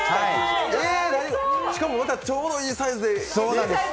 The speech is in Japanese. しかもちょうどいいサイズで。